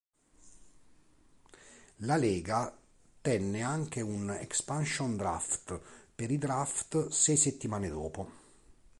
La lega tenne anche un expansion draft per i draft sei settimane dopo.